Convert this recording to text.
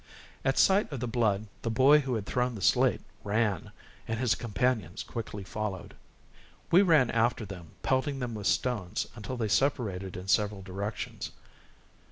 At sight of the blood the boy who had thrown the slate ran, and his companions quickly followed. We ran after them pelting them with stones until they separated in several directions.